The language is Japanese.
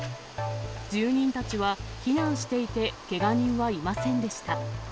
住人たちは避難していてけが人はいませんでした。